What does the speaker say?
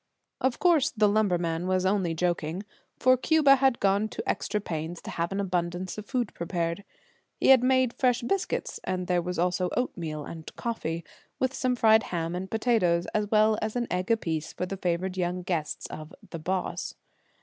Of course the lumberman was only joking, for Cuba had gone to extra pains to have an abundance of food prepared. He had made fresh biscuits, and there was also oatmeal and coffee, with some fried ham and potatoes, as well as an egg apiece for the favored young guests of the "boss."